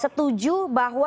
setuju bahwa eee